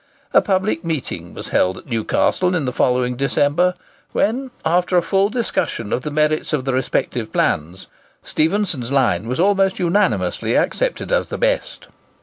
A public meeting was held at Newcastle in the following December, when, after a full discussion of the merits of the respective plans, Stephenson's line was almost unanimously adopted as the best.